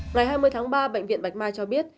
ngày hai mươi tháng ba bệnh viện bạch mai cho biết